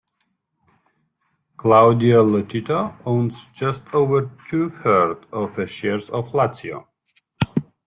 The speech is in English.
Claudio Lotito owns just over two-thirds of the shares of Lazio.